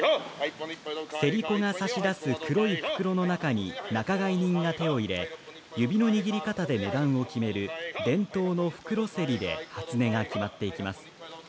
競り子が差し出す黒い袋の中に仲買人が手を入れ、指の握り方で値段を決める伝統の袋競りで初値が決まっていきます。